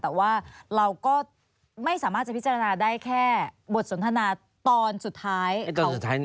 แต่ว่าเราก็ไม่สามารถจะพิจารณาได้แค่บทสนทนาตอนสุดท้าย